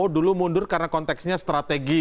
dulu mundur karena konteksnya strategi